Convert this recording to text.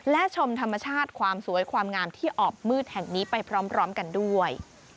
และชมธรรมชาติความสวยความงามที่ออบมืดแห่งนี้ไปพร้อมกันด้วย